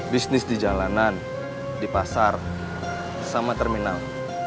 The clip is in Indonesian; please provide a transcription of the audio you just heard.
bisnis di jalanan di pasar sama terminal